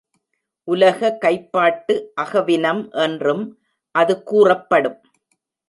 உலக கைப்பாட்டு, அகவினம் என்றும் அது கூறப்படும்.